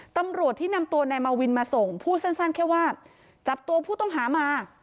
ตำรวจที่นำตัวนายมาวินมาส่งพูดสั้นแค่ว่าจับตัวผู้ต้องหามา